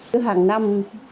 từ hàng năm